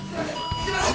すいません！